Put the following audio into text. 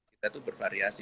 kita tuh bervariasi